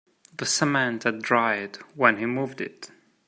The cement had dried when he moved it.